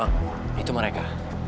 bang itu mereka